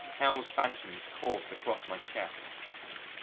Hell's phantoms course across my chest.